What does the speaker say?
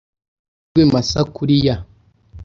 amahirwe masa kuriya